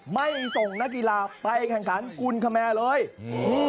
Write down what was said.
ไม่ส่งนักกีฬาไปแข่งขันกุลคแมร์เลยอืม